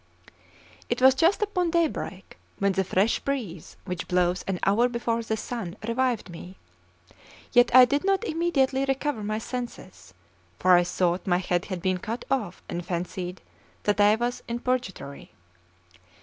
It was just upon daybreak, when the fresh breeze which blows an hour before the sun revived me; yet I did not immediately recover my senses, for I thought my head had been cut off and fancied that I was in purgatory.